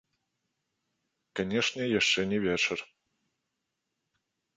Канечне, яшчэ не вечар.